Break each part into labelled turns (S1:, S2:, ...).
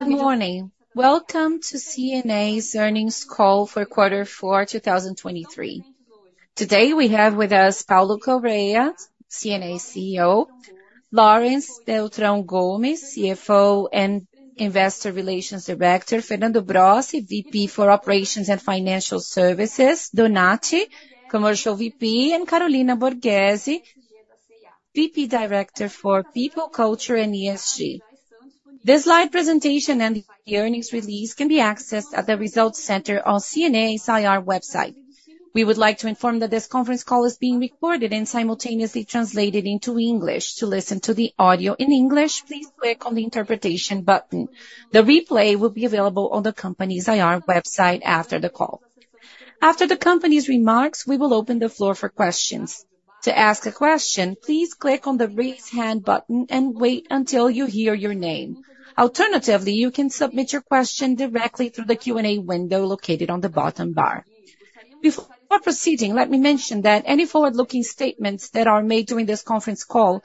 S1: Good morning. Welcome to C&A's earnings call for Q4 2023. Today, we have with us Paulo Correa, C&A's CEO; Laurence Beltrão Gomes, CFO and Investor Relations Director; Fernando Brossi, VP for Operations and Financial Services; Francislei Donatti, Commercial VP; and Maria Carolina Brasil Borghesi, VP Director for People, Culture, and ESG. This slide presentation and the earnings release can be accessed at the Results Center on C&A's IR website. We would like to inform that this conference call is being recorded and simultaneously translated into English. To listen to the audio in English, please click on the interpretation button. The replay will be available on the company's IR website after the call. After the company's remarks, we will open the floor for questions. To ask a question, please click on the Raise Hand button and wait until you hear your name. Alternatively, you can submit your question directly through the Q&A window located on the bottom bar. Before proceeding, let me mention that any forward-looking statements that are made during this conference call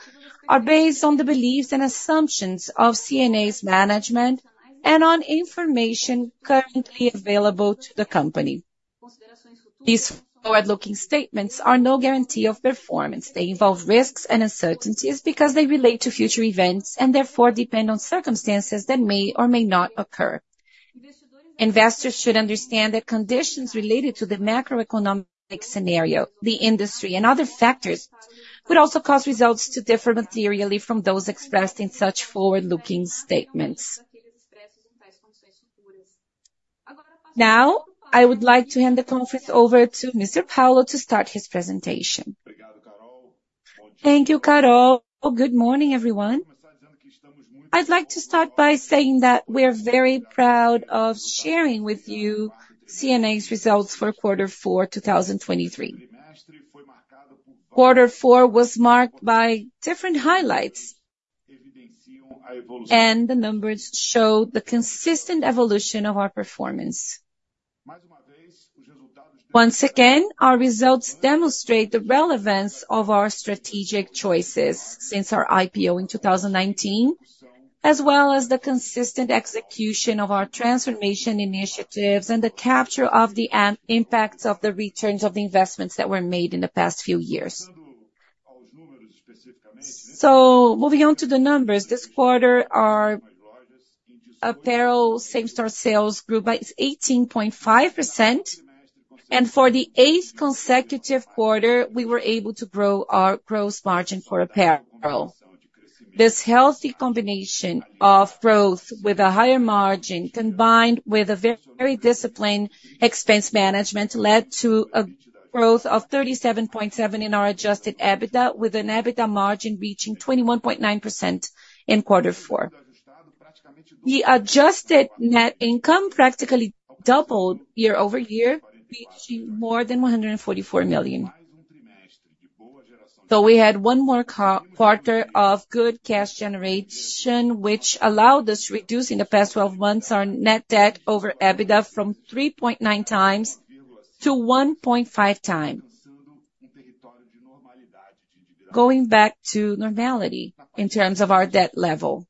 S1: are based on the beliefs and assumptions of C&A's management and on information currently available to the company. These forward-looking statements are no guarantee of performance. They involve risks and uncertainties because they relate to future events and therefore depend on circumstances that may or may not occur. Investors should understand that conditions related to the macroeconomic scenario, the industry, and other factors could also cause results to differ materially from those expressed in such forward-looking statements. Now, I would like to hand the conference over to Mr. Paulo to start his presentation.
S2: Thank you, Carol. Good morning, everyone. I'd like to start by saying that we're very proud of sharing with you C&A's results for Quarter Four, 2023. Quarter Four was marked by different highlights, and the numbers show the consistent evolution of our performance. Once again, our results demonstrate the relevance of our strategic choices since our IPO in 2019, as well as the consistent execution of our transformation initiatives and the capture of the end impacts of the returns of the investments that were made in the past few years. Moving on to the numbers, this quarter, our apparel same-store sales grew by 18.5%, and for the eighth consecutive quarter, we were able to grow our gross margin for apparel. This healthy combination of growth with a higher margin, combined with a very disciplined expense management, led to a growth of 37.7 in our adjusted EBITDA, with an EBITDA margin reaching 21.9% in Quarter Four. The adjusted net income practically doubled year over year, reaching more than 144 million. So we had one more quarter of good cash generation, which allowed us to reduce, in the past twelve months, our net debt over EBITDA from 3.9x to 1.5x, going back to normality in terms of our debt level.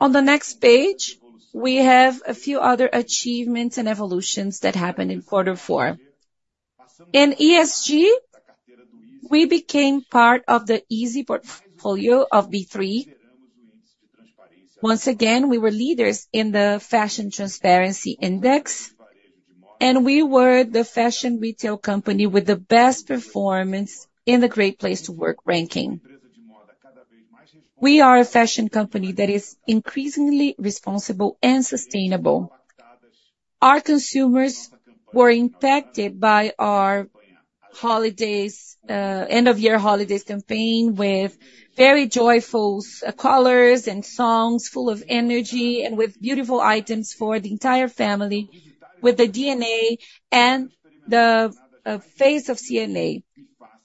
S2: On the next page, we have a few other achievements and evolutions that happened in Quarter Four. In ESG, we became part of the ISE portfolio of B3. Once again, we were leaders in the Fashion Transparency Index, and we were the fashion retail company with the best performance in the Great Place to Work ranking. We are a fashion company that is increasingly responsible and sustainable. Our consumers were impacted by our holidays, end-of-year holidays campaign, with very joyful colors and songs, full of energy and with beautiful items for the entire family, with the DNA and the face of C&A.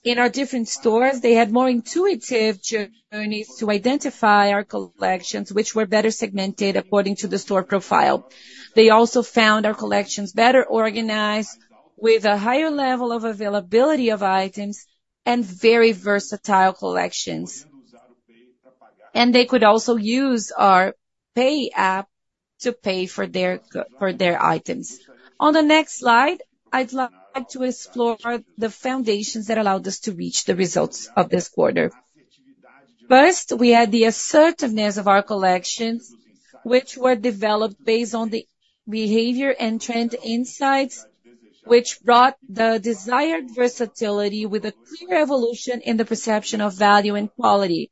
S2: In our different stores, they had more intuitive journeys to identify our collections, which were better segmented according to the store profile. They also found our collections better organized, with a higher level of availability of items and very versatile collections. They could also use our pay app to pay for their items. On the next slide, I'd like to explore the foundations that allowed us to reach the results of this quarter. First, we had the assertiveness of our collections, which were developed based on the behavior and trend insights, which brought the desired versatility with a clear evolution in the perception of value and quality,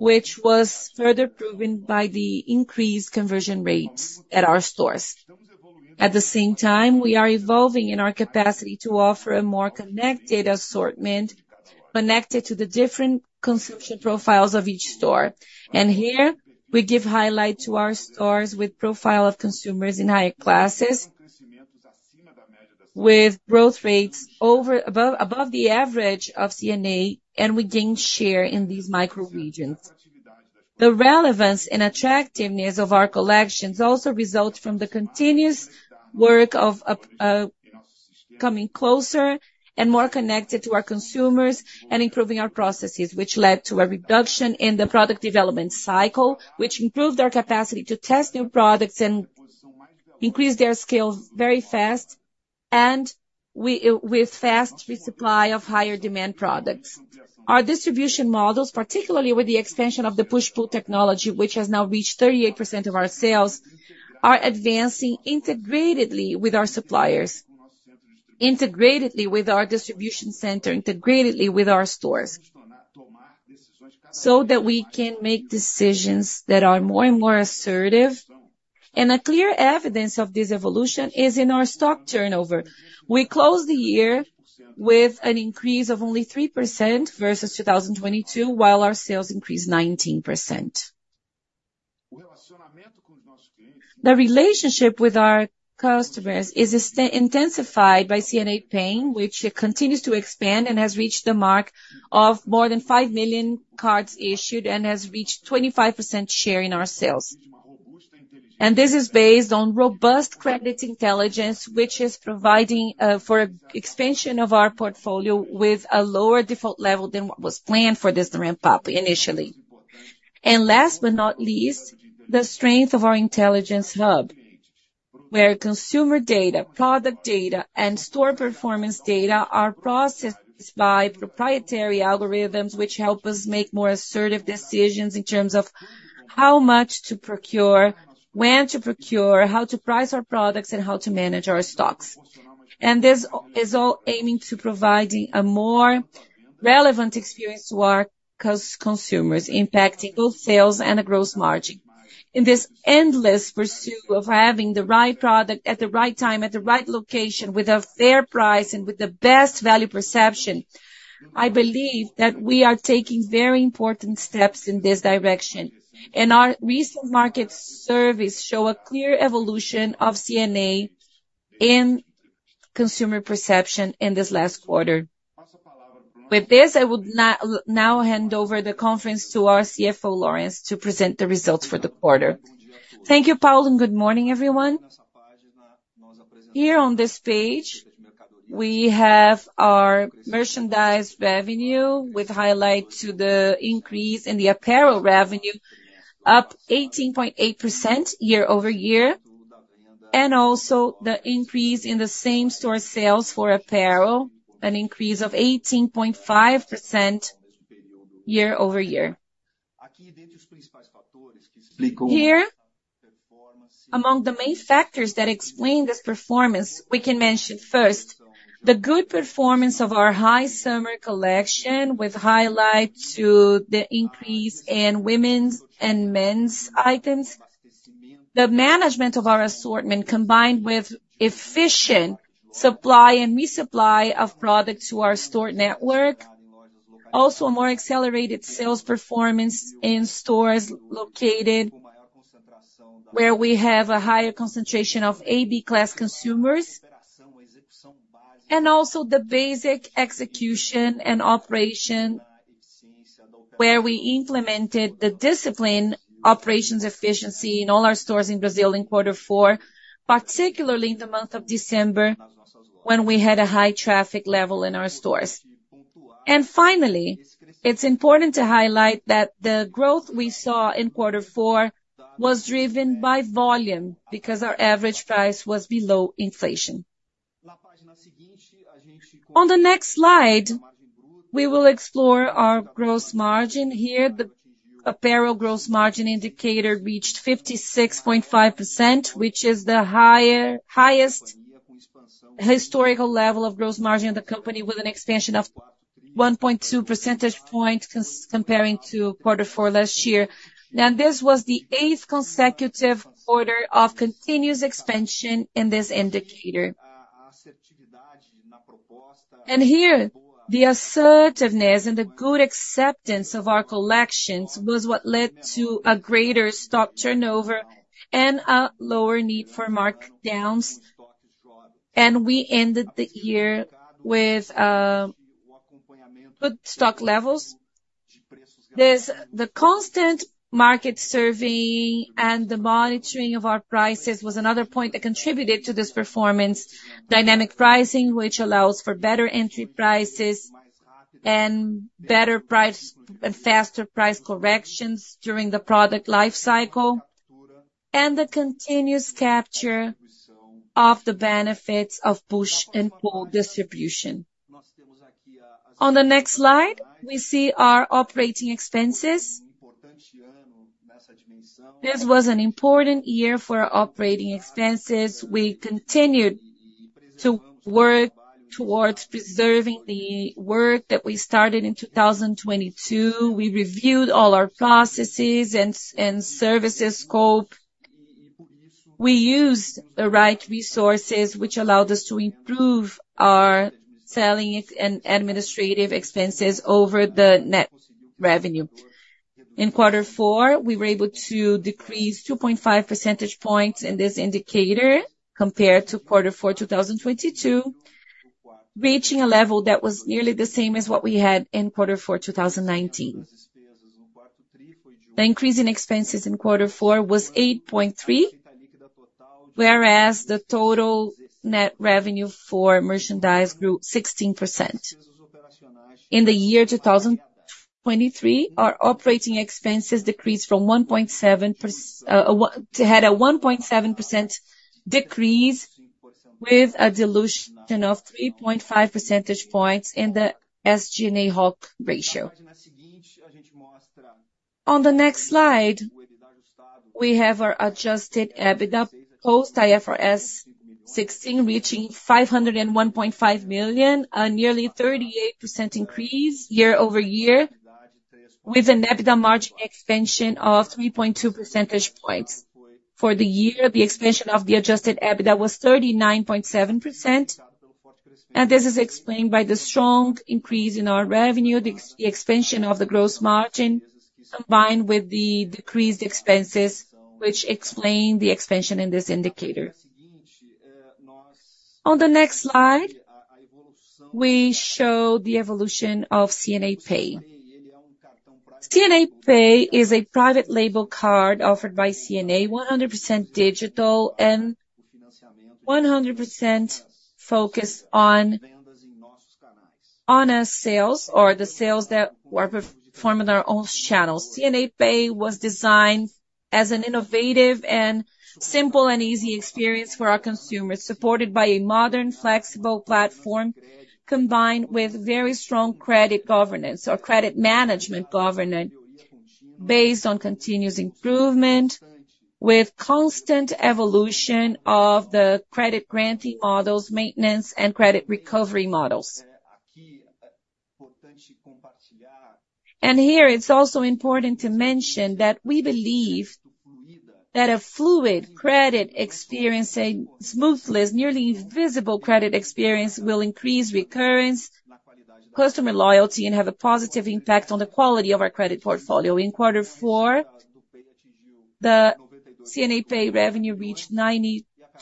S2: which was further proven by the increased conversion rates at our stores. At the same time, we are evolving in our capacity to offer a more connected assortment, connected to the different consumption profiles of each store. Here, we give highlight to our stores with profile of consumers in higher classes, with growth rates above the average of C&A, and we gain share in these micro regions. The relevance and attractiveness of our collections also result from the continuous work of coming closer and more connected to our consumers and improving our processes, which led to a reduction in the product development cycle, which improved our capacity to test new products and increase their scale very fast, and we, with fast resupply of higher demand products. Our distribution models, particularly with the expansion of the push-pull technology, which has now reached 38% of our sales, are advancing integratedly with our suppliers, integratedly with our distribution center, integratedly with our stores, so that we can make decisions that are more and more assertive. A clear evidence of this evolution is in our stock turnover. We closed the year with an increase of only 3% versus 2022, while our sales increased 19%. The relationship with our customers is intensified by C&A Pay, which continues to expand and has reached the mark of more than 5 million cards issued and has reached 25% share in our sales. This is based on robust credit intelligence, which is providing for expansion of our portfolio with a lower default level than what was planned for this ramp-up initially. Last but not least, the strength of our intelligence hub, where consumer data, product data, and store performance data are processed by proprietary algorithms, which help us make more assertive decisions in terms of how much to procure, when to procure, how to price our products, and how to manage our stocks. This is all aiming to providing a more relevant experience to our consumers, impacting both sales and the gross margin. In this endless pursuit of having the right product at the right time, at the right location, with a fair price, and with the best value perception, I believe that we are taking very important steps in this direction, and our recent market surveys show a clear evolution of C&A in consumer perception in this last quarter. With this, I would now hand over the conference to our CFO, Laurence, to present the results for the quarter.
S3: Thank you, Paulo, and good morning, everyone. Here on this page, we have our merchandise revenue with highlight to the increase in the apparel revenue, up 18.8% year-over-year, and also the increase in the same-store sales for apparel, an increase of 18.5% year-over-year. Here, among the main factors that explain this performance, we can mention first, the good performance of our high summer collection, with highlight to the increase in women's and men's items. The management of our assortment, combined with efficient supply and resupply of product to our store network. Also, a more accelerated sales performance in stores located where we have a higher concentration of AB class consumers, and also the basic execution and operation, where we implemented the discipline, operations efficiency in all our stores in Brazil in quarter four, particularly in the month of December, when we had a high traffic level in our stores. Finally, it's important to highlight that the growth we saw in quarter four was driven by volume because our average price was below inflation. On the next slide, we will explore our gross margin. Here, the apparel gross margin indicator reached 56.5%, which is the highest historical level of gross margin in the company with an expansion of 1.2 percentage point comparing to quarter four last year. Now, this was the eighth consecutive quarter of continuous expansion in this indicator. Here, the assertiveness and the good acceptance of our collections was what led to a greater stock turnover and a lower need for markdowns, and we ended the year with good stock levels. There's the constant market survey and the monitoring of our prices was another point that contributed to this performance. Dynamic pricing, which allows for better entry prices and better price, and faster price corrections during the product life cycle, and the continuous capture of the benefits of push and pull distribution. On the next slide, we see our operating expenses. This was an important year for our operating expenses. We continued to work towards preserving the work that we started in 2022. We reviewed all our processes and services scope. We used the right resources, which allowed us to improve our SG&A expenses over the net revenue. In quarter four, we were able to decrease 2.5 percentage points in this indicator compared to quarter four, 2022, reaching a level that was nearly the same as what we had in quarter four, 2019.... The increase in expenses in quarter four was 8.3, whereas the total net revenue for merchandise grew 16%. In the year 2023, our operating expenses had a 1.7% decrease, with a dilution of 3.5 percentage points in the SG&A as % ratio. On the next slide, we have our adjusted EBITDA post IFRS 16, reaching 501.5 million, a nearly 38% increase year-over-year, with an EBITDA margin expansion of 3.2 percentage points. For the year, the expansion of the adjusted EBITDA was 39.7%, and this is explained by the strong increase in our revenue, the expansion of the gross margin, combined with the decreased expenses, which explain the expansion in this indicator. On the next slide, we show the evolution of C&A Pay. C&A Pay is a private label card offered by C&A, 100% digital and 100% focused on, on a sales or the sales that were performing in our own channels. C&A Pay was designed as an innovative and simple and easy experience for our consumers, supported by a modern, flexible platform, combined with very strong credit governance or credit management governance, based on continuous improvement, with constant evolution of the credit granting models, maintenance and credit recovery models. And here, it's also important to mention that we believe that a fluid credit experience, a seamless, nearly invisible credit experience, will increase recurrence, customer loyalty, and have a positive impact on the quality of our credit portfolio. In quarter four, the C&A Pay revenue reached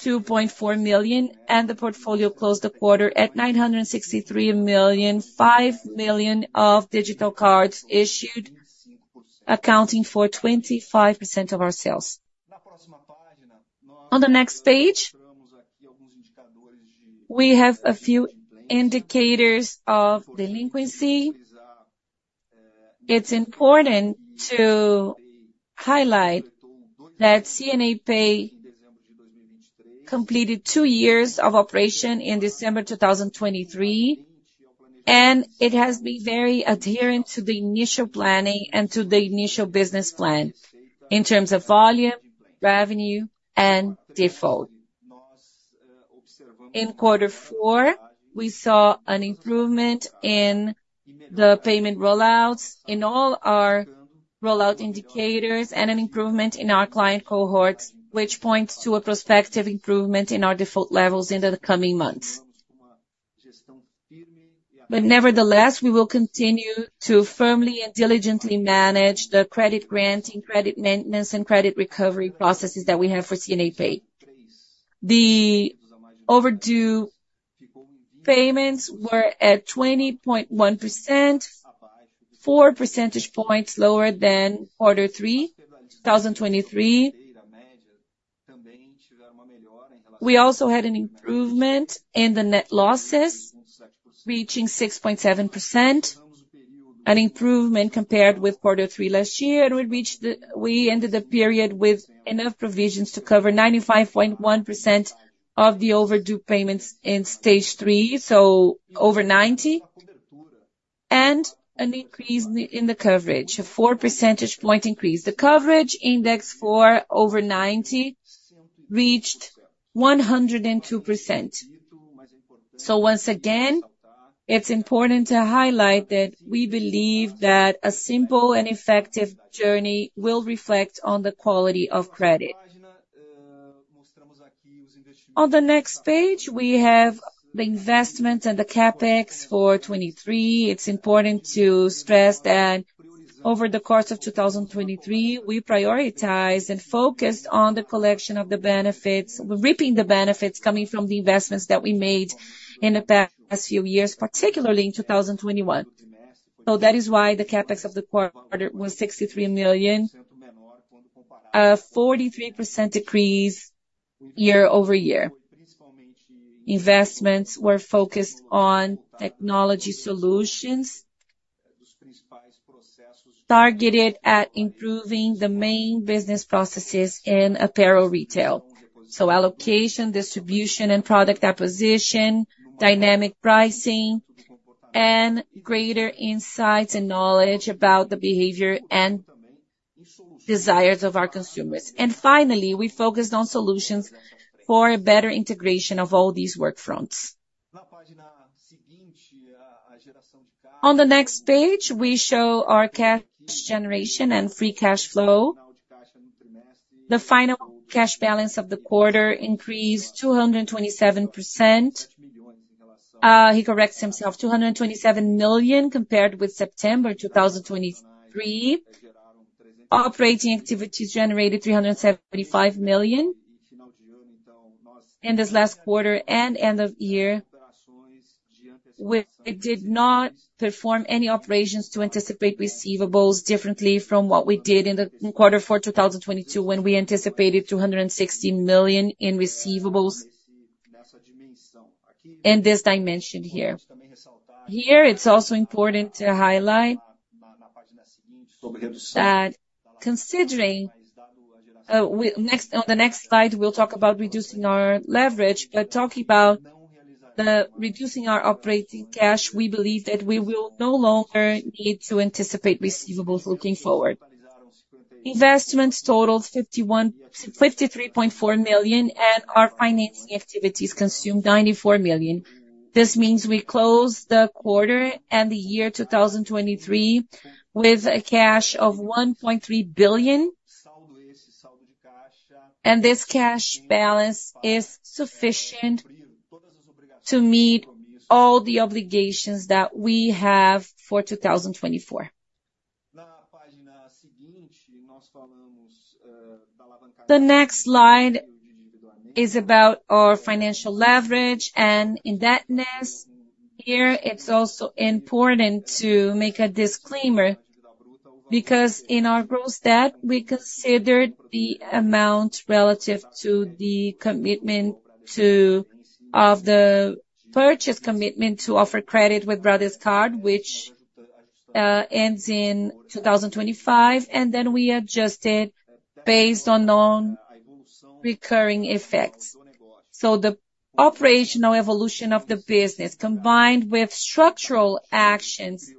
S3: 92.4 million, and the portfolio closed the quarter at 963 million, 5 million digital cards issued, accounting for 25% of our sales. On the next page, we have a few indicators of delinquency. It's important to highlight that C&A Pay completed two years of operation in December 2023, and it has been very adherent to the initial planning and to the initial business plan in terms of volume, revenue, and default. In quarter four, we saw an improvement in the payment rollouts, in all our rollout indicators, and an improvement in our client cohorts, which points to a prospective improvement in our default levels in the coming months. But nevertheless, we will continue to firmly and diligently manage the credit granting, credit maintenance, and credit recovery processes that we have for C&A Pay. The overdue payments were at 20.1%, 4 percentage points lower than quarter three 2023. We also had an improvement in the net losses, reaching 6.7%, an improvement compared with quarter three last year. We ended the period with enough provisions to cover 95.1% of the overdue payments in stage three, so over ninety, and an increase in the coverage, a 4 percentage point increase. The coverage index for over ninety reached 102%. So once again, it's important to highlight that we believe that a simple and effective journey will reflect on the quality of credit. On the next page, we have the investment and the CapEx for 2023. It's important to stress that over the course of 2023, we prioritized and focused on the collection of the benefits, reaping the benefits coming from the investments that we made in the past few years, particularly in 2021. So that is why the CapEx of the quarter was 63 million, a 43% decrease year-over-year. Investments were focused on technology solutions, targeted at improving the main business processes in apparel retail. So allocation, distribution and product acquisition, dynamic pricing, and greater insights and knowledge about the behavior and desires of our consumers. And finally, we focused on solutions for a better integration of all these work fronts. On the next page, we show our cash generation and free cash flow. The final cash balance of the quarter increased 227%. He corrects himself, 227 million compared with September 2023. Operating activities generated 375 million in this last quarter and end of year. It did not perform any operations to anticipate receivables differently from what we did in the quarter for 2022, when we anticipated 260 million in receivables in this dimension here. Here, it's also important to highlight that considering, on the next slide, we'll talk about reducing our leverage, but talking about the reducing our operating cash, we believe that we will no longer need to anticipate receivables looking forward. Investments totaled fifty-one-- 53.4 million, and our financing activities consumed 94 million. This means we closed the quarter and the year 2023 with a cash of 1.3 billion, and this cash balance is sufficient to meet all the obligations that we have for 2024. The next slide is about our financial leverage and indebtedness. Here, it's also important to make a disclaimer, because in our gross debt, we considered the amount relative to the commitment of the purchase commitment to offer credit with Bradescard, which ends in 2025, and then we adjusted based on non-recurring effects. So the operational evolution of the business, combined with structural actions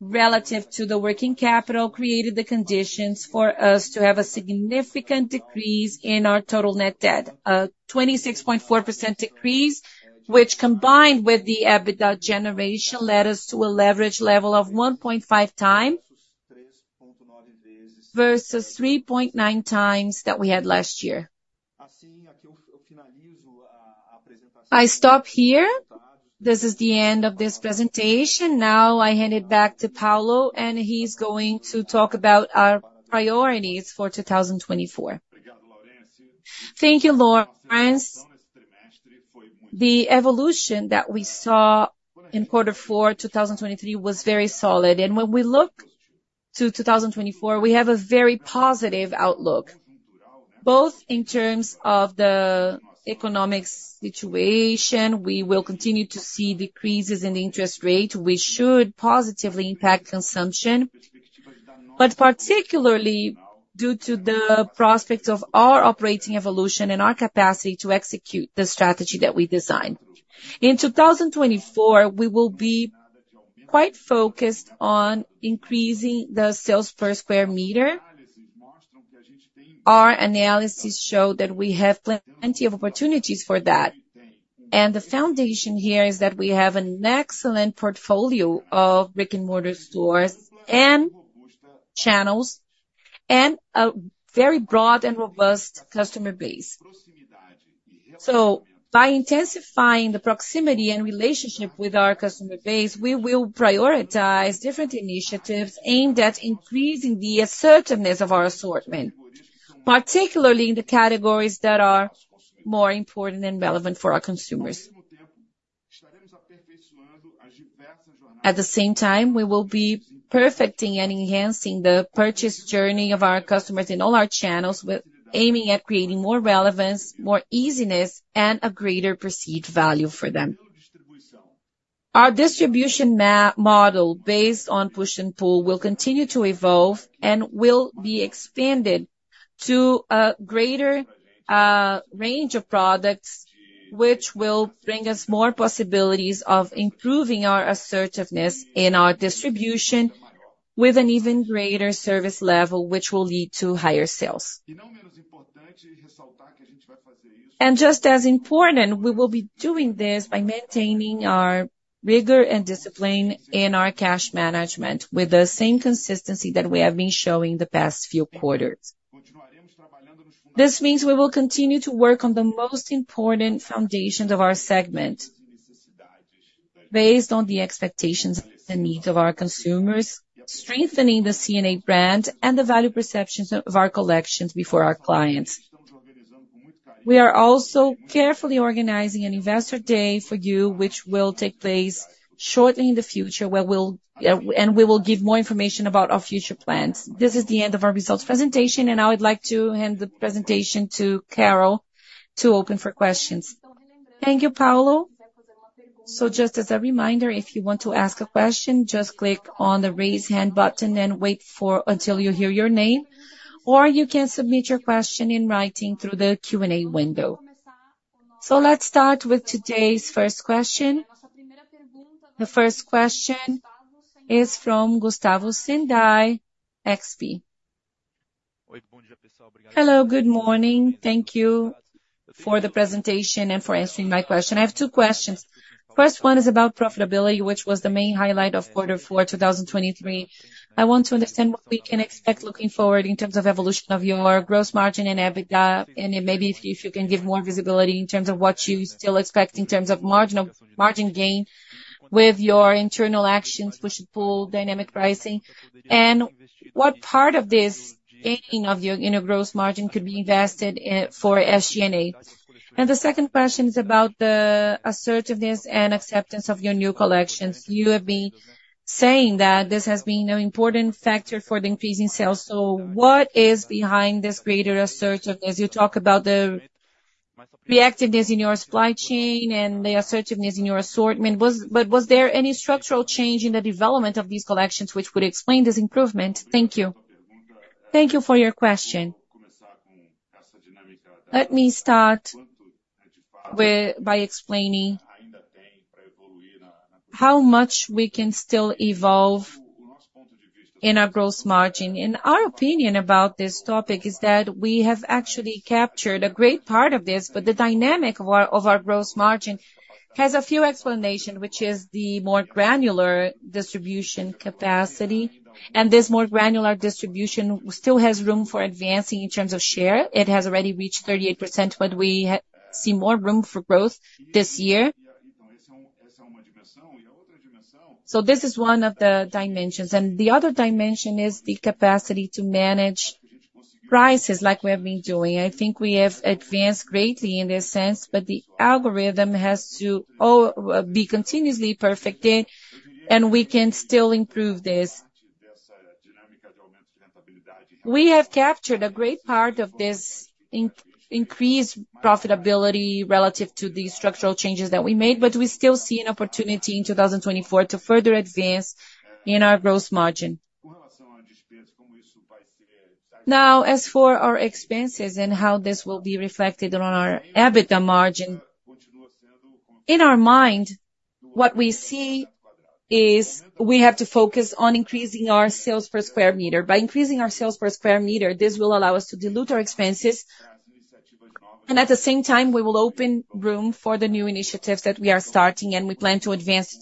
S3: relative to the working capital, created the conditions for us to have a significant decrease in our total net debt. 26.4% decrease, which, combined with the EBITDA generation, led us to a leverage level of 1.5 time, versus 3.9 times that we had last year. I stop here. This is the end of this presentation. Now I hand it back to Paulo, and he's going to talk about our priorities for 2024.
S2: Thank you, Laurence. The evolution that we saw in quarter four, 2023, was very solid. And when we look to 2024, we have a very positive outlook, both in terms of the economic situation, we will continue to see decreases in interest rate, which should positively impact consumption, but particularly due to the prospect of our operating evolution and our capacity to execute the strategy that we designed. In 2024, we will be quite focused on increasing the sales per square meter. Our analysis show that we have plenty of opportunities for that. The foundation here is that we have an excellent portfolio of brick-and-mortar stores and channels and a very broad and robust customer base. By intensifying the proximity and relationship with our customer base, we will prioritize different initiatives aimed at increasing the assertiveness of our assortment, particularly in the categories that are more important and relevant for our consumers. At the same time, we will be perfecting and enhancing the purchase journey of our customers in all our channels, with, aiming at creating more relevance, more easiness, and a greater perceived value for them. Our distribution model, based on push and pull, will continue to evolve and will be expanded to a greater range of products, which will bring us more possibilities of improving our assertiveness in our distribution with an even greater service level, which will lead to higher sales. Just as important, we will be doing this by maintaining our rigor and discipline in our cash management with the same consistency that we have been showing the past few quarters. This means we will continue to work on the most important foundations of our segment based on the expectations and needs of our consumers, strengthening the C&A brand and the value perceptions of our collections before our clients. We are also carefully organizing an investor day for you, which will take place shortly in the future, where we will give more information about our future plans. This is the end of our results presentation, and I would like to hand the presentation to Carol to open for questions.
S1: Thank you, Paulo. So just as a reminder, if you want to ask a question, just click on the Raise Hand button and wait until you hear your name, or you can submit your question in writing through the Q&A window. So let's start with today's first question. The first question is from Gustavo Senday, XP.
S4: Hello, good morning. Thank you for the presentation and for answering my question. I have two questions. First one is about profitability, which was the main highlight of quarter four, 2023. I want to understand what we can expect looking forward in terms of evolution of your gross margin and EBITDA, and then maybe if you can give more visibility in terms of what you still expect in terms of margin gain with your internal actions, push and pull, dynamic pricing. And what part of this gaining of your, you know, gross margin could be invested for SG&A? And the second question is about the assertiveness and acceptance of your new collections. You have been saying that this has been an important factor for the increase in sales. So what is behind this greater assertiveness? You talk about the reactiveness in your supply chain and the assertiveness in your assortment, but was there any structural change in the development of these collections which would explain this improvement? Thank you.
S2: Thank you for your question. Let me start by explaining how much we can still evolve in our gross margin. In our opinion about this topic is that we have actually captured a great part of this, but the dynamic of our gross margin has a few explanation, which is the more granular distribution capacity. This more granular distribution still has room for advancing in terms of share. It has already reached 38%, but we see more room for growth this year. This is one of the dimensions, and the other dimension is the capacity to manage prices like we have been doing. I think we have advanced greatly in this sense, but the algorithm has to be continuously perfected, and we can still improve this. We have captured a great part of this increased profitability relative to the structural changes that we made, but we still see an opportunity in 2024 to further advance in our gross margin. Now, as for our expenses and how this will be reflected on our EBITDA margin, in our mind, what we see is we have to focus on increasing our sales per square meter. By increasing our sales per square meter, this will allow us to dilute our expenses, and at the same time, we will open room for the new initiatives that we are starting and we plan to advance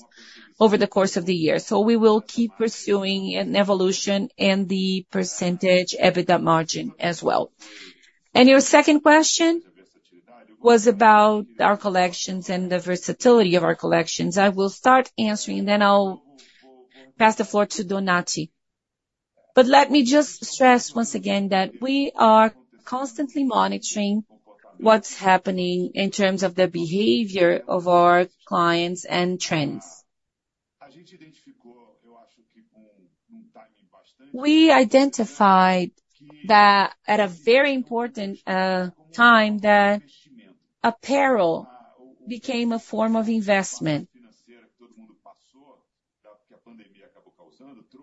S2: over the course of the year. So we will keep pursuing an evolution in the percentage EBITDA margin as well. And your second question was about our collections and the versatility of our collections. I will start answering, then I'll pass the floor to Donatti.
S1: But let me just stress once again that we are constantly monitoring what's happening in terms of the behavior of our clients and trends. We identified that at a very important time, that apparel became a form of investment.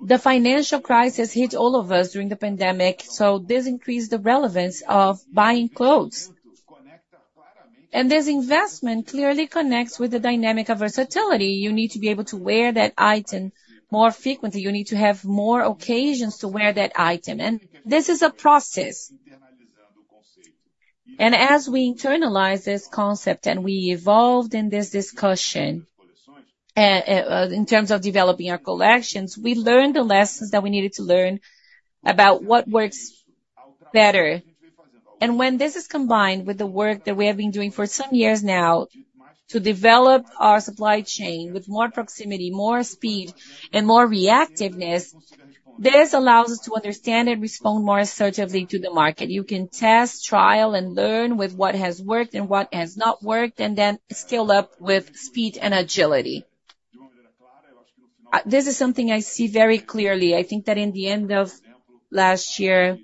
S1: The financial crisis hit all of us during the pandemic, so this increased the relevance of buying clothes. And this investment clearly connects with the dynamic of versatility. You need to be able to wear that item more frequently. You need to have more occasions to wear that item, and this is a process. And as we internalize this concept and we evolved in this discussion, in terms of developing our collections, we learned the lessons that we needed to learn about what works better. When this is combined with the work that we have been doing for some years now, to develop our supply chain with more proximity, more speed, and more reactiveness, this allows us to understand and respond more assertively to the market. You can test, trial, and learn with what has worked and what has not worked, and then scale up with speed and agility. This is something I see very clearly. I think that in the end of last year,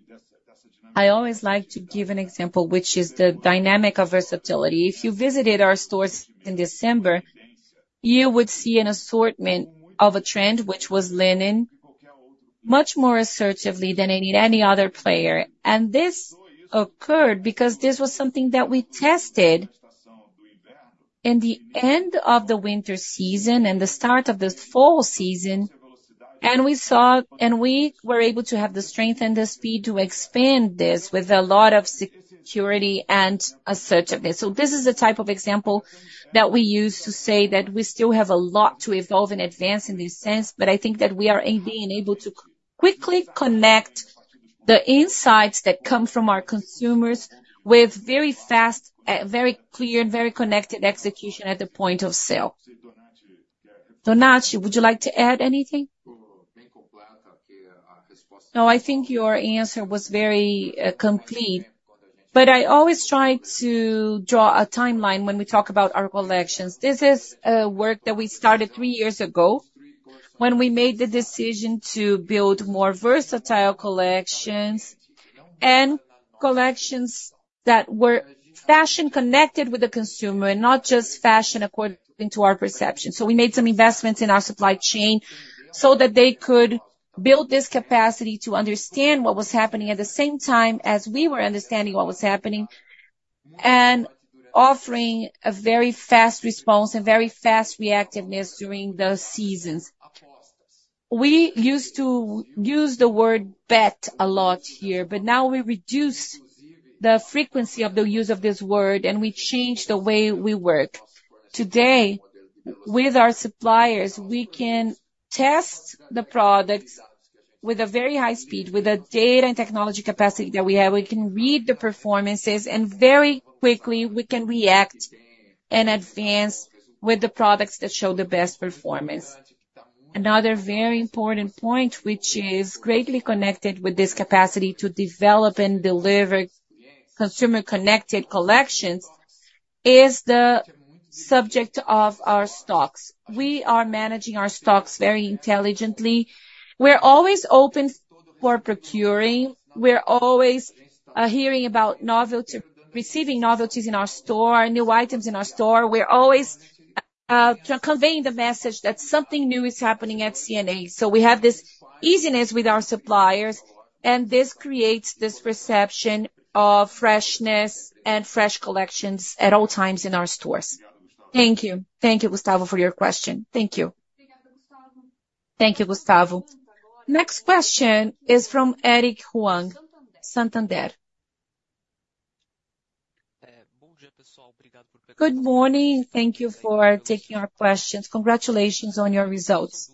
S1: I always like to give an example, which is the dynamic of versatility. If you visited our stores in December, you would see an assortment of a trend, which was linen, much more assertively than any other player. This occurred because this was something that we tested in the end of the winter season and the start of the fall season, and we saw and we were able to have the strength and the speed to expand this with a lot of security and assertiveness. This is the type of example that we use to say that we still have a lot to evolve and advance in this sense, but I think that we are in being able to quickly connect the insights that come from our consumers with very fast, very clear, and very connected execution at the point of sale. Donatti, would you like to add anything?
S5: No, I think your answer was very, complete. But I always try to draw a timeline when we talk about our collections. This is a work that we started three years ago, when we made the decision to build more versatile collections and collections that were fashion connected with the consumer, and not just fashion according to our perception. So we made some investments in our supply chain so that they could build this capacity to understand what was happening at the same time as we were understanding what was happening, and offering a very fast response and very fast reactiveness during those seasons. We used to use the word bet a lot here, but now we reduce the frequency of the use of this word, and we change the way we work. Today, with our suppliers, we can test the products with a very high speed, with the data and technology capacity that we have, we can read the performances, and very quickly, we can react and advance with the products that show the best performance. Another very important point, which is greatly connected with this capacity to develop and deliver consumer-connected collections, is the subject of our stocks. We are managing our stocks very intelligently. We're always procuring, we're always hearing about novelty - receiving novelties in our store, new items in our store. We're always conveying the message that something new is happening at C&A. So we have this easiness with our suppliers, and this creates this perception of freshness and fresh collections at all times in our stores.
S4: Thank you.
S2: Thank you, Gustavo, for your question.
S5: Thank you.
S1: Thank you, Gustavo. Next question is from Eric Huang, Santander.
S6: Good morning, and thank you for taking our questions. Congratulations on your results.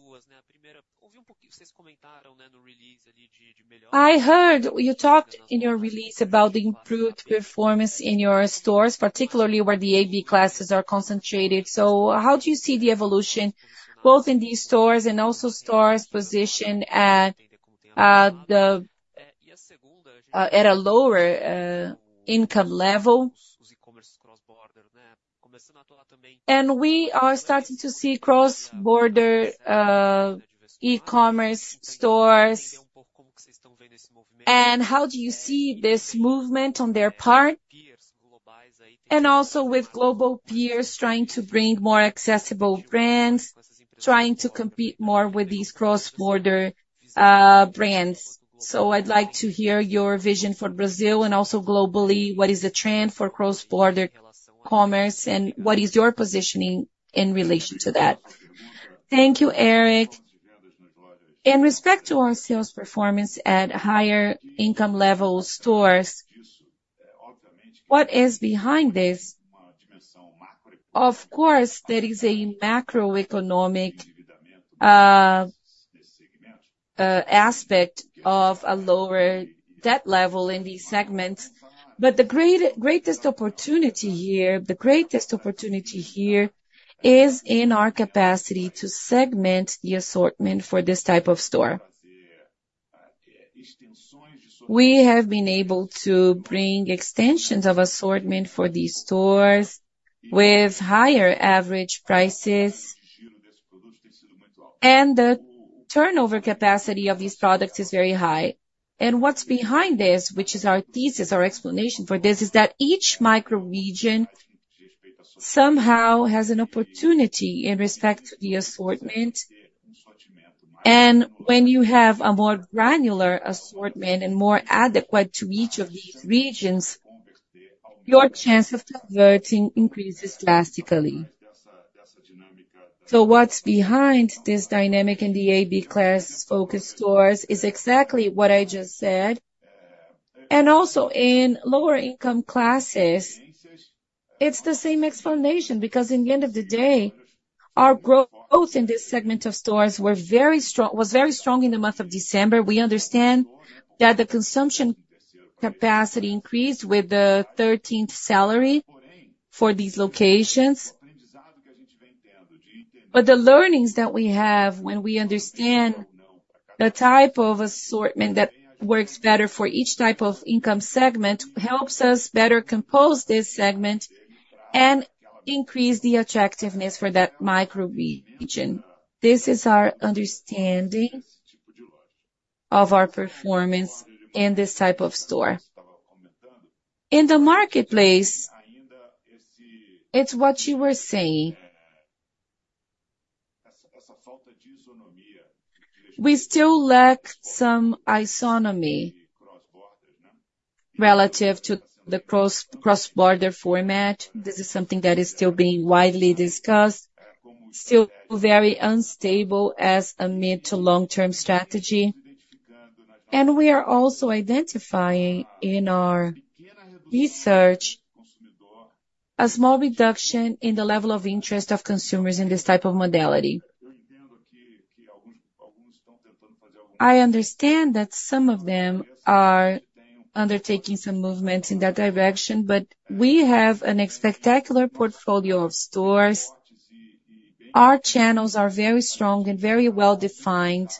S6: I heard you talked in your release about the improved performance in your stores, particularly where the AB classes are concentrated. So how do you see the evolution, both in these stores and also stores positioned at a lower income level? And we are starting to see cross-border e-commerce stores. And how do you see this movement on their part, and also with global peers trying to bring more accessible brands, trying to compete more with these cross-border brands? So I'd like to hear your vision for Brazil and also globally, what is the trend for cross-border commerce, and what is your positioning in relation to that?
S2: Thank you, Eric. In respect to our sales performance at higher income level stores, what is behind this? Of course, there is a macroeconomic aspect of a lower debt level in these segments. But the greatest opportunity here, the greatest opportunity here is in our capacity to segment the assortment for this type of store. We have been able to bring extensions of assortment for these stores with higher average prices, and the turnover capacity of these products is very high. And what's behind this, which is our thesis, our explanation for this, is that each micro region somehow has an opportunity in respect to the assortment. And when you have a more granular assortment and more adequate to each of these regions, your chance of converting increases drastically. So what's behind this dynamic in the AB class-focused stores is exactly what I just said. Also in lower income classes, it's the same explanation, because in the end of the day, our growth in this segment of stores were very strong—was very strong in the month of December. We understand that the consumption capacity increased with the thirteenth salary for these locations. But the learnings that we have when we understand the type of assortment that works better for each type of income segment, helps us better compose this segment and increase the attractiveness for that micro region. This is our understanding of our performance in this type of store. In the marketplace, it's what you were saying. We still lack some isonomy relative to the cross-border format. This is something that is still being widely discussed, still very unstable as a mid to long-term strategy. We are also identifying in our research a small reduction in the level of interest of consumers in this type of modality. I understand that some of them are undertaking some movements in that direction, but we have a spectacular portfolio of stores. Our channels are very strong and very well-defined.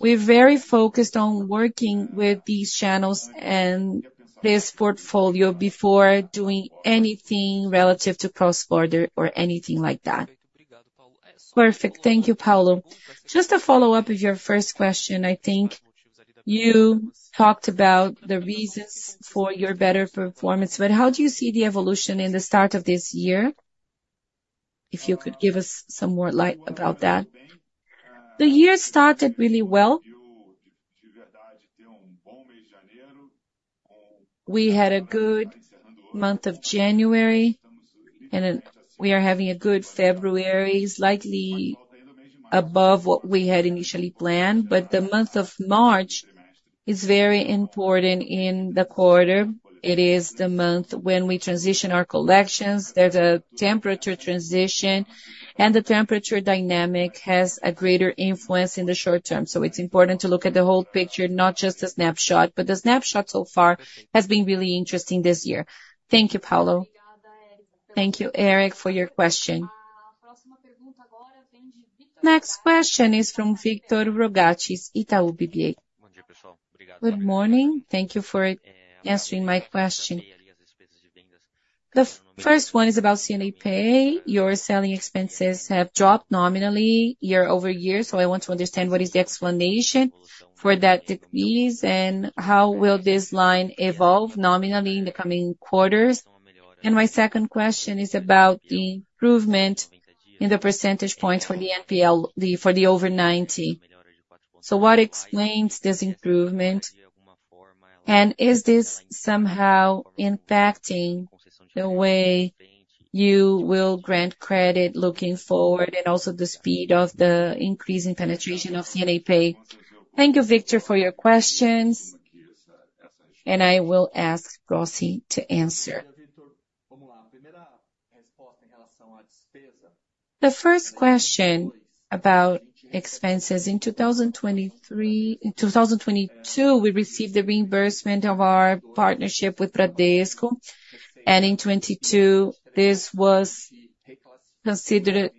S2: We're very focused on working with these channels and this portfolio before doing anything relative to cross-border or anything like that.
S6: Perfect. Thank you, Paulo. Just a follow-up of your first question. I think you talked about the reasons for your better performance, but how do you see the evolution in the start of this year? If you could give us some more light about that.
S2: The year started really well. We had a good month of January, and then we are having a good February, slightly above what we had initially planned. But the month of March is very important in the quarter. It is the month when we transition our collections, there's a temperature transition, and the temperature dynamic has a greater influence in the short term. So it's important to look at the whole picture, not just a snapshot, but the snapshot so far has been really interesting this year.
S6: Thank you, Paulo.
S1: Thank you, Eric, for your question. Next question is from Victor Rogatis, Itaú BBA. Good morning.
S7: Thank you for answering my question. The first one is about C&A Pay. Your selling expenses have dropped nominally year-over-year, so I want to understand what is the explanation for that decrease, and how will this line evolve nominally in the coming quarters? And my second question is about the improvement in the percentage points for the NPL for the over ninety. So what explains this improvement?
S1: Is this somehow impacting the way you will grant credit looking forward, and also the speed of the increase in penetration of C&A Pay? Thank you.
S2: Victor, for your questions, and I will ask Brossi to answer.
S8: The first question about expenses, in 2023—in 2022, we received the reimbursement of our partnership with Bradesco, and in 2022, this was considered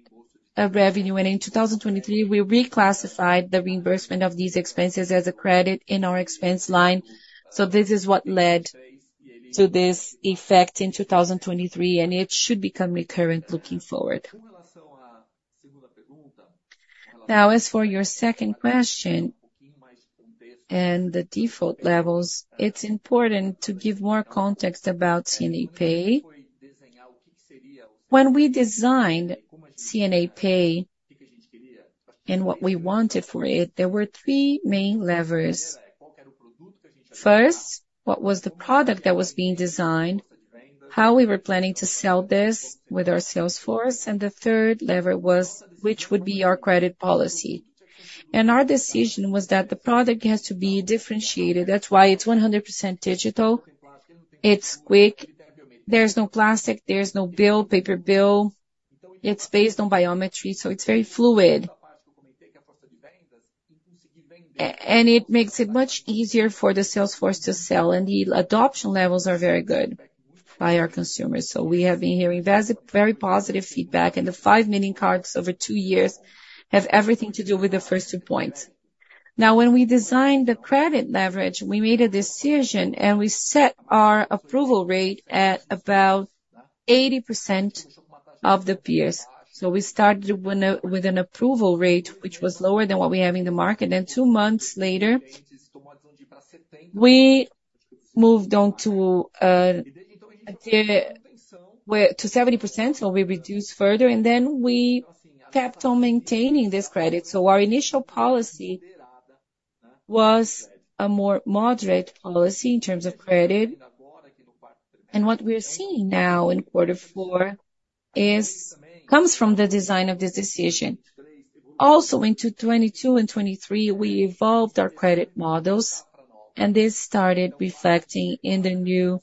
S8: a revenue. And in 2023, we reclassified the reimbursement of these expenses as a credit in our expense line. So this is what led to this effect in 2023, and it should become recurrent looking forward. Now, as for your second question and the default levels, it's important to give more context about C&A Pay. When we designed C&A Pay and what we wanted for it, there were three main levers. First, what was the product that was being designed? How we were planning to sell this with our sales force, and the third lever was, which would be our credit policy. Our decision was that the product has to be differentiated. That's why it's 100% digital, it's quick, there's no plastic, there's no bill, paper bill. It's based on biometry, so it's very fluid. And it makes it much easier for the sales force to sell, and the adoption levels are very good by our consumers. So we have been hearing very positive feedback, and the 5 million cards over two years have everything to do with the first two points. Now, when we designed the credit leverage, we made a decision, and we set our approval rate at about 80% of the peers. So we started with an approval rate, which was lower than what we have in the market. Two months later, we moved on to 70%, so we reduced further, and then we kept on maintaining this credit. Our initial policy was a more moderate policy in terms of credit. What we're seeing now in quarter four is, comes from the design of this decision. Also, in 2022 and 2023, we evolved our credit models, and this started reflecting in the new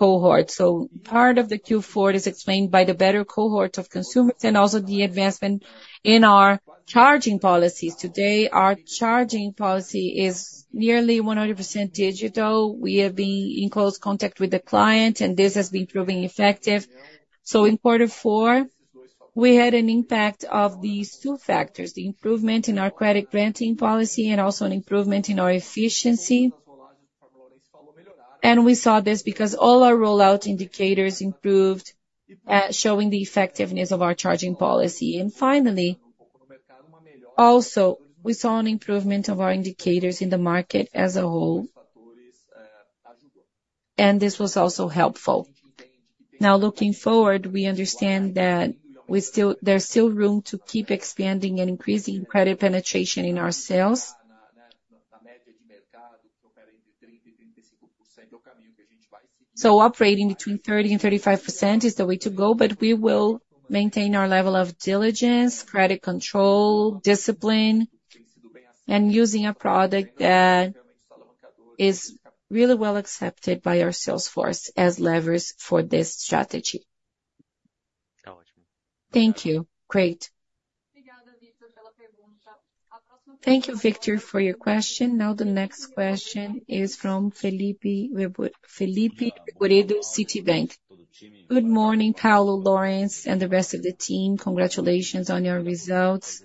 S8: cohort. So part of the Q4 is explained by the better cohort of consumers and also the advancement in our charging policies. Today, our charging policy is nearly 100% digital. We have been in close contact with the client, and this has been proving effective. So in quarter four, we had an impact of these two factors, the improvement in our credit granting policy and also an improvement in our efficiency. We saw this because all our rollout indicators improved, showing the effectiveness of our charging policy. Finally, also, we saw an improvement of our indicators in the market as a whole, and this was also helpful. Now, looking forward, we understand that we still-- there's still room to keep expanding and increasing credit penetration in our sales. Operating between 30% and 35% is the way to go, but we will maintain our level of diligence, credit control, discipline, and using a product that is really well accepted by our sales force as levers for this strategy.
S7: Thank you. Great.
S1: Thank you, Victor, for your question. Now the next question is from Felipe Rigueiro, Citibank.
S9: Good morning, Paulo, Laurence, and the rest of the team. Congratulations on your results,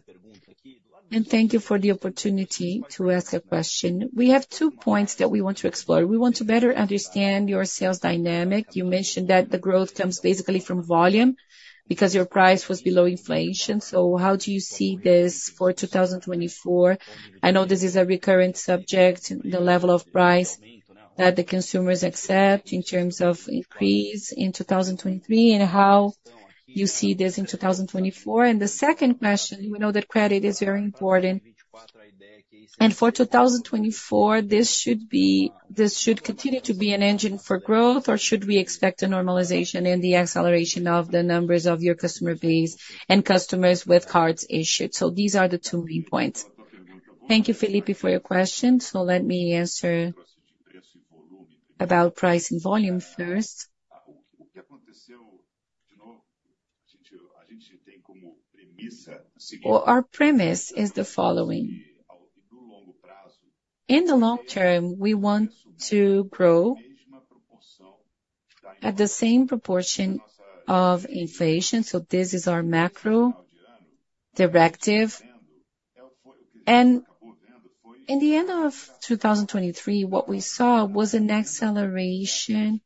S9: and thank you for the opportunity to ask a question. We have two points that we want to explore. We want to better understand your sales dynamic. You mentioned that the growth comes basically from volume because your price was below inflation. So how do you see this for 2024? I know this is a recurrent subject, the level of price that the consumers accept in terms of increase in 2023, and how you see this in 2024. And the second question, we know that credit is very important, and for 2024, this should continue to be an engine for growth, or should we expect a normalization in the acceleration of the numbers of your customer base and customers with cards issued? So these are the two main points. Thank you.
S2: Felipe, for your question. So let me answer about price and volume first. Well, our premise is the following: in the long term, we want to grow at the same proportion of inflation, so this is our macro directive. In the end of 2023, what we saw was an acceleration,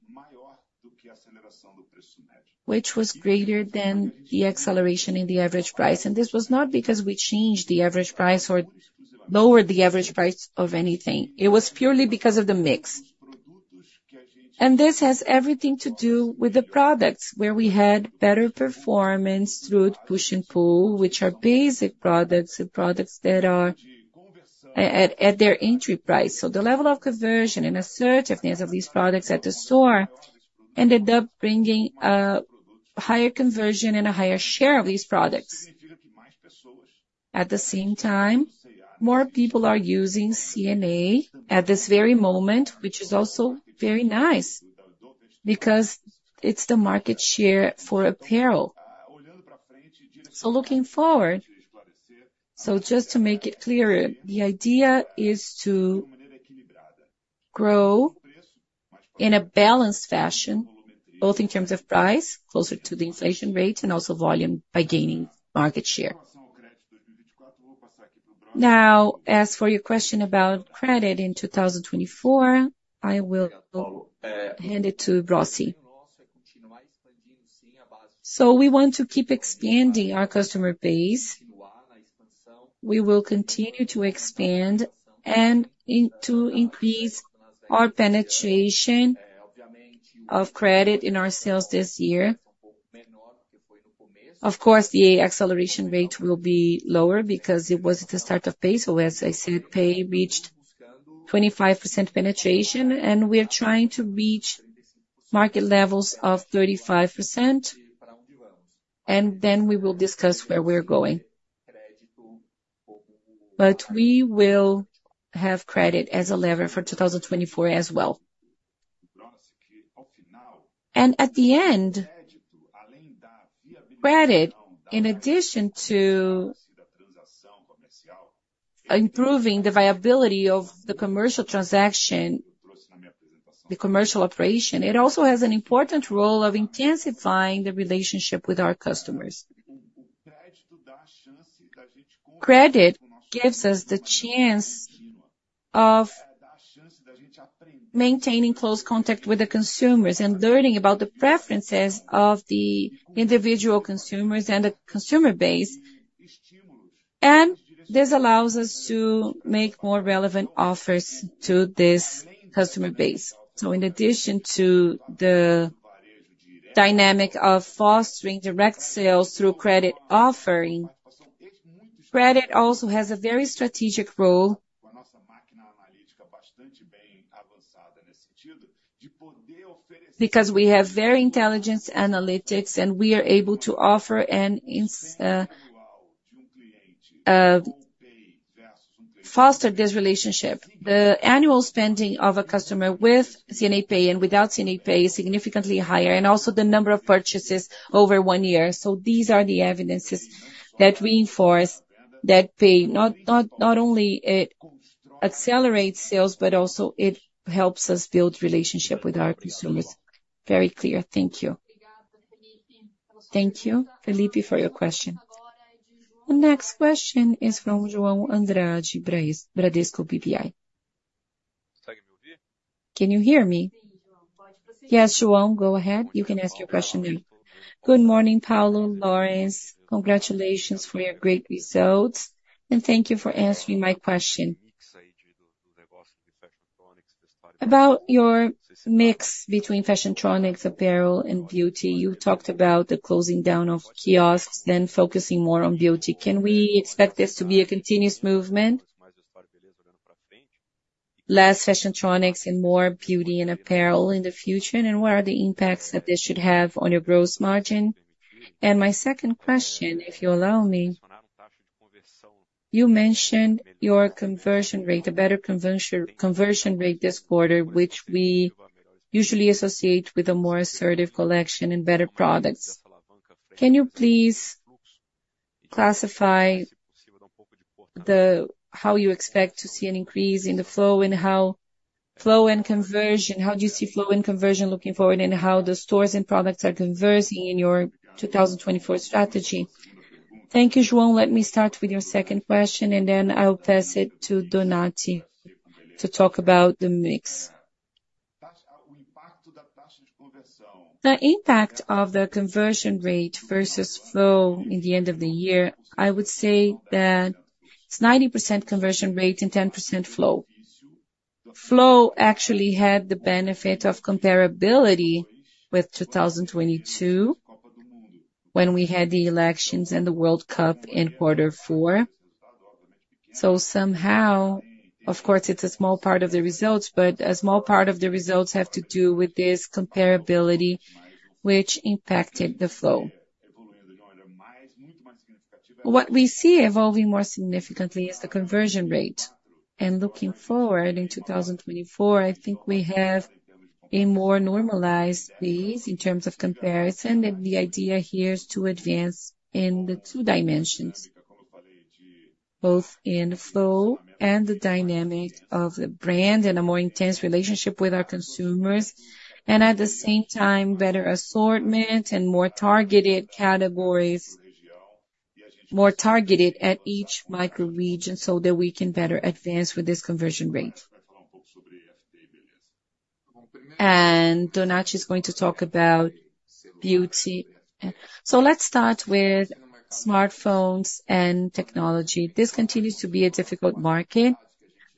S2: which was greater than the acceleration in the average price. This was not because we changed the average price or lowered the average price of anything. It was purely because of the mix. This has everything to do with the products, where we had better performance through push and pull, which are basic products, the products that are at their entry price. So the level of conversion and assertiveness of these products at the store ended u p bringing higher conversion and a higher share of these products. At the same time, more people are using C&A at this very moment, which is also very nice, because it's the market share for apparel. So looking forward, so just to make it clearer, the idea is to grow in a balanced fashion, both in terms of price, closer to the inflation rate, and also volume by gaining market share. Now, as for your question about credit in 2024, I will hand it to Brossi.
S8: So we want to keep expanding our customer base. We will continue to expand and to increase our penetration of credit in our sales this year. Of course, the acceleration rate will be lower because it was at the start of Pay. So as I said, Pay reached 25% penetration, and we are trying to reach market levels of 35%, and then we will discuss where we're going. But we will have credit as a lever for 2024 as well. And at the end, credit, in addition to improving the viability of the commercial transaction, the commercial operation, it also has an important role of intensifying the relationship with our customers. Credit gives us the chance of maintaining close contact with the consumers and learning about the preferences of the individual consumers and the consumer base, and this allows us to make more relevant offers to this customer base. So in addition to the dynamic of fostering direct sales through credit offering, credit also has a very strategic role. Because we have very intelligence analytics, and we are able to offer and foster this relationship. The annual spending of a customer with C&A Pay and without C&A Pay is significantly higher, and also the number of purchases over one year. So these are the evidences that reinforce that Pay not only it accelerates sales, but also it helps us build relationship with our consumers. Very clear.
S9: Thank you.
S1: Thank you, Felipe, for your question. The next question is from João Andrade, Bradesco BBI.
S10: Can you hear me? Yes, João, go ahead. You can ask your question now. Good morning, Paulo, Laurence. Congratulations for your great results, and thank you for answering my question. About your mix between fashiontronics, apparel and beauty, you talked about the closing down of kiosks, then focusing more on beauty. Can we expect this to be a continuous movement? Less fashiontronics and more beauty and apparel in the future, and what are the impacts that this should have on your gross margin? My second question, if you allow me: you mentioned your conversion rate, a better conversion rate this quarter, which we usually associate with a more assertive collection and better products. Can you please classify how you expect to see an increase in the flow and how flow and conversion, how do you see flow and conversion looking forward, and how the stores and products are converting in your 2024 strategy?
S2: Thank you. João. Let me start with your second question, and then I'll pass it to Donatti to talk about the mix. The impact of the conversion rate versus flow at the end of the year, I would say that it's 90% conversion rate and 10% flow. Flow actually had the benefit of comparability with 2022, when we had the elections and the World Cup in quarter four. So somehow, of course, it's a small part of the results, but a small part of the results have to do with this comparability, which impacted the flow. What we see evolving more significantly is the conversion rate. And looking forward in 2024, I think we have a more normalized base in terms of comparison, and the idea here is to advance in the two dimensions, both in flow and the dynamic of the brand and a more intense relationship with our consumers, and at the same time, better assortment and more targeted categories, more targeted at each micro region, so that we can better advance with this conversion rate. And Donatti is going to talk about beauty.
S5: So let's start with smartphones and technology. This continues to be a difficult market.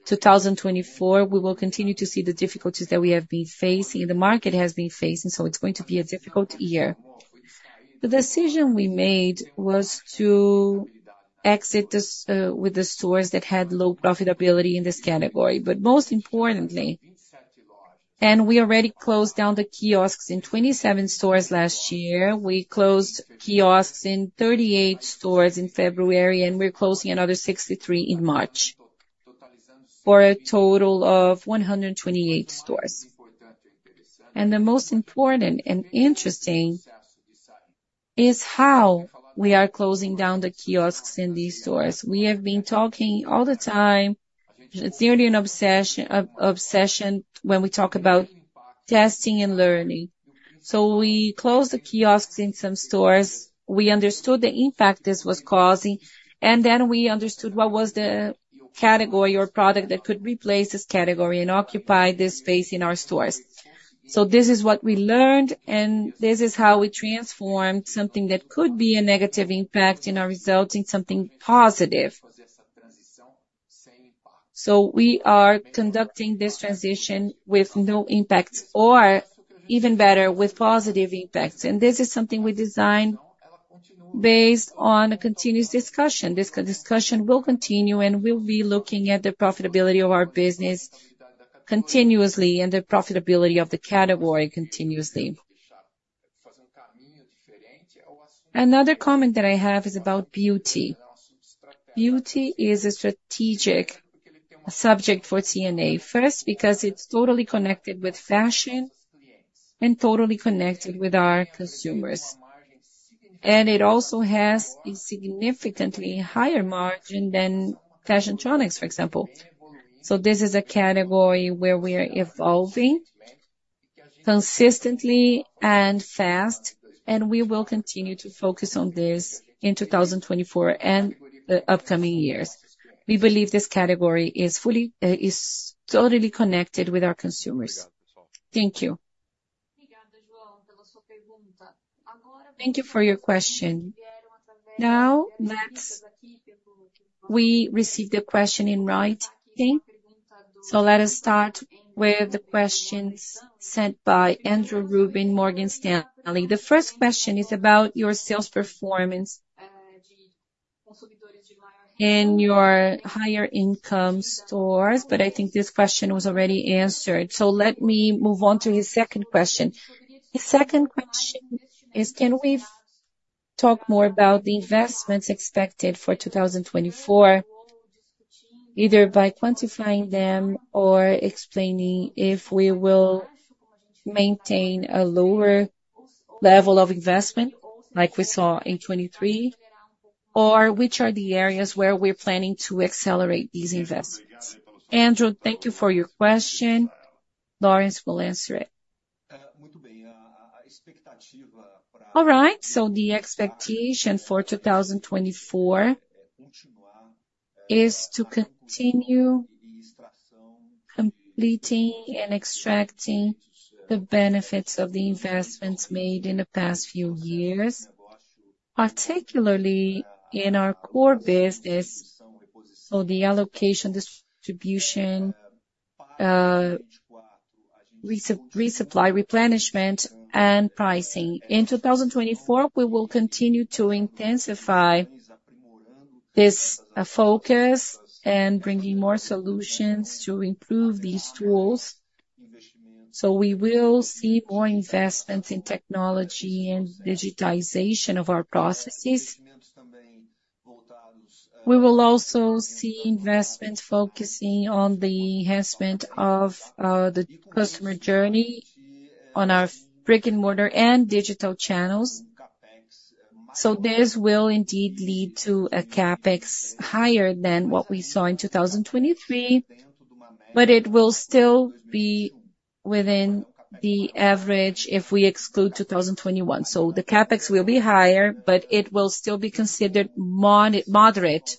S5: 2024, we will continue to see the difficulties that we have been facing, the market has been facing, so it's going to be a difficult year. The decision we made was to exit this with the stores that had low profitability in this category. But most importantly, we already closed down the kiosks in 27 stores last year. We closed kiosks in 38 stores in February, and we're closing another 63 in March, for a total of 128 stores. The most important and interesting is how we are closing down the kiosks in these stores. We have been talking all the time, it's nearly an obsession when we talk about testing and learning. So we closed the kiosks in some stores. We understood the impact this was causing, and then we understood what was the category or product that could replace this category and occupy this space in our stores. So this is what we learned, and this is how we transformed something that could be a negative impact in our results, in something positive. So we are conducting this transition with no impact or even better, with positive impacts. And this is something we design based on a continuous discussion. This co-discussion will continue, and we'll be looking at the profitability of our business continuously and the profitability of the category continuously. Another comment that I have is about beauty. Beauty is a strategic subject for C&A. First, because it's totally connected with fashion and totally connected with our consumers. And it also has a significantly higher margin than fashiontronics, for example. So this is a category where we are evolving consistently and fast, and we will continue to focus on this in 2024 and the upcoming years. We believe this category is fully, is totally connected with our consumers.
S10: Thank you.
S1: Thank you for your question. Now, next, we received a question in writing. So let us start with the questions sent by Andrew Ruben, Morgan Stanley. The first question is about your sales performance in your higher income stores, but I think this question was already answered. So let me move on to his second question. The second question is: Can we talk more about the investments expected for 2024, either by quantifying them or explaining if we will maintain a lower level of investment like we saw in 2023? Or which are the areas where we're planning to accelerate these investments?
S2: Andrew, thank you for your question. Laurence will answer it.
S3: All right, so the expectation for 2024 is to continue completing and extracting the benefits of the investments made in the past few years, particularly in our core business, so the allocation, distribution, resupply, replenishment, and pricing. In 2024, we will continue to intensify this focus and bringing more solutions to improve these tools. So we will see more investments in technology and digitization of our processes. We will also see investments focusing on the enhancement of the customer journey on our brick-and-mortar and digital channels. So this will indeed lead to a CapEx higher than what we saw in 2023, but it will still be within the average if we exclude 2021. So the CapEx will be higher, but it will still be considered moderate.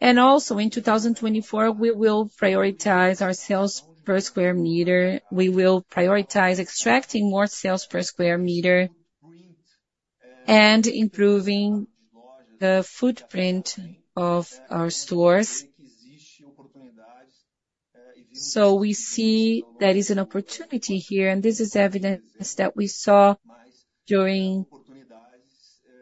S3: And also in 2024, we will prioritize our sales per square meter. We will prioritize extracting more sales per square meter and improving the footprint of our stores. So we see there is an opportunity here, and this is evidence that we saw during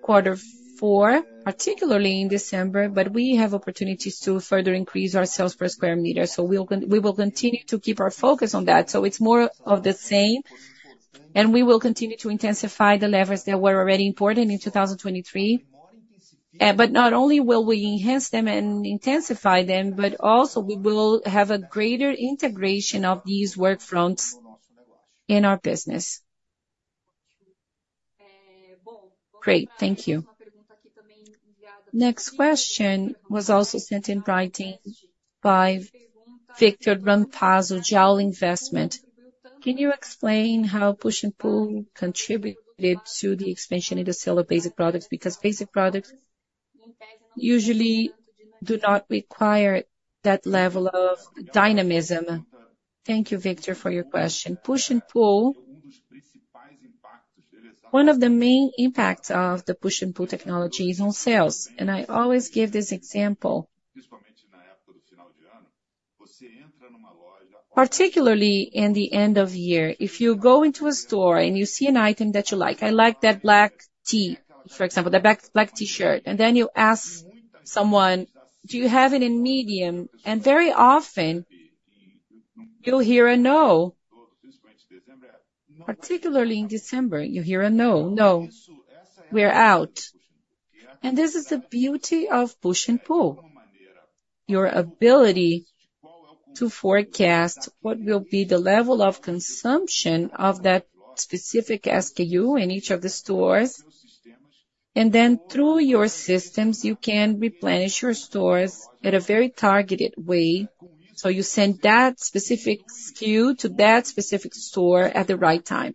S3: quarter four, particularly in December, but we have opportunities to further increase our sales per square meter, so we will continue to keep our focus on that. So it's more of the same, and we will continue to intensify the levers that were already important in 2023. But not only will we enhance them and intensify them, but also we will have a greater integration of these work fronts in our business.
S1: Great. Thank you. Next question was also sent in writing by Victor Rampazzo, Jowl Investment. Can you explain how push and pull contributed to the expansion in the sale of basic products? Because basic products usually do not require that level of dynamism.
S2: Thank you, Victor, for your question. Push and pull, one of the main impacts of the push and pull technology is on sales, and I always give this example. Particularly in the end of year, if you go into a store and you see an item that you like, I like that black tee, for example, that black, black T-shirt, and then you ask someone: "Do you have it in medium?" And very often you'll hear a no. Particularly in December, you hear a no. "No, we're out." And this is the beauty of push and pull. Your ability to forecast what will be the level of consumption of that specific SKU in each of the stores, and then through your systems, you can replenish your stores at a very targeted way. So you send that specific SKU to that specific store at the right time.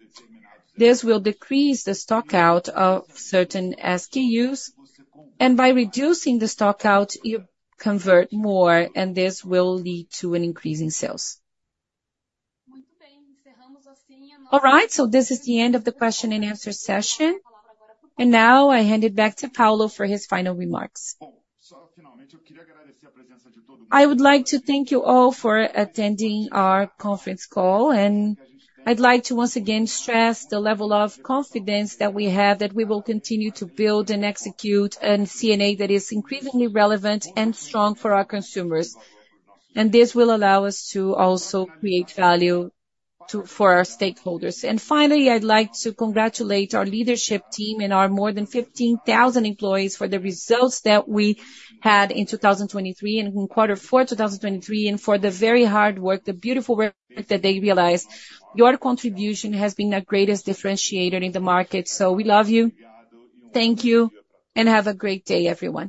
S2: This will decrease the stockout of certain SKUs, and by reducing the stockout, you convert more, and this will lead to an increase in sales.
S1: All right, so this is the end of the question and answer session, and now I hand it back to Paulo for his final remarks. I would like to thank you all for attending our conference call, and I'd like to once again stress the level of confidence that we have, that we will continue to build and execute a C&A that is increasingly relevant and strong for our consumers. And this will allow us to also create value to for our stakeholders. And finally, I'd like to congratulate our leadership team and our more than 15,000 employees for the results that we had in 2023 and in quarter four 2023, and for the very hard work, the beautiful work that they realized. Your contribution has been our greatest differentiator in the market. So we love you. Thank you, and have a great day, everyone.